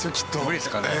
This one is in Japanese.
無理ですかね？